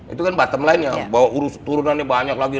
itu kan bottom line yang bawa urus turunannya banyak lagi